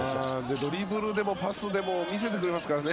ドリブルでもパスでも見せてくれますからね。